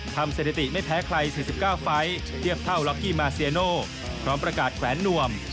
สถิติไม่แพ้ใคร๔๙ไฟล์เทียบเท่าล็อกกี้มาเซียโน่พร้อมประกาศแขวนนวม